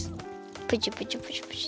プチプチプチプチ。